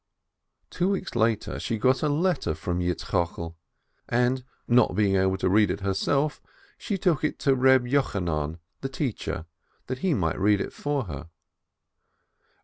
Two weeks later she got a letter from Yitzchokel, and, not being able to read it herself, she took it to Reb Yochanan, the teacher, that he might read it for her.